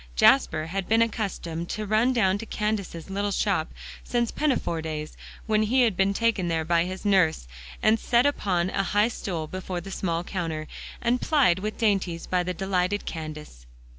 Jasper had been accustomed to run down to Candace's little shop, since pinafore days, when he had been taken there by his nurse, and set upon a high stool before the small counter, and plied with dainties by the delighted Candace.